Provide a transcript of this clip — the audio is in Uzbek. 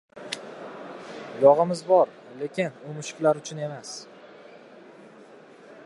Yogʻimiz bor, lekin u mushuklar uchun emas.